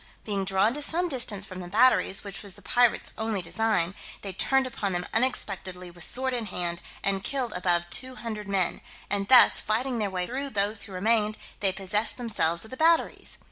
Being drawn to some distance from the batteries, which was the pirates only design, they turned upon them unexpectedly with sword in hand, and killed above two hundred men; and thus fighting their way through those who remained, they possessed themselves of the batteries.